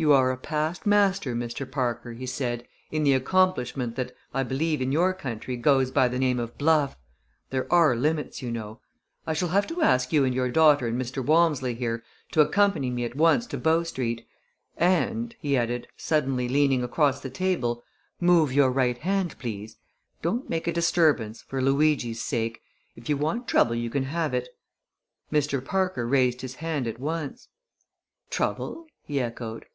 "You are a past master, Mr. Parker," he said, "in the accomplishment that, I believe, in your country goes by the name of bluff; but there are limits, you know. I shall have to ask you and your daughter and Mr. Walmsley here to accompany me at once to Bow Street. And," he added, suddenly leaning across the table, "move your right hand, please! Don't make a disturbance for Luigi's sake! If you want trouble you can have it." Mr. Parker raised his hand at once. "Trouble?" he echoed.